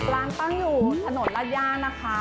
ร้านตั้งอยู่ถนนราชย่านะคะ